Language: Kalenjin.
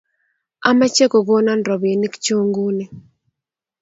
ameche kekonon robinikchu nguni